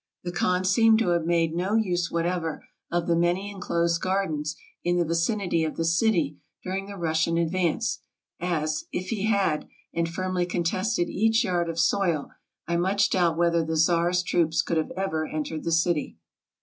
The khan seemed to have made no use whatever of the many enclosed gardens in the vicinity of the city during the Russian advance, as, if he had, and firmly contested each .yard of soil, I much doubt whether the Tsar's troops could have ever entered the city.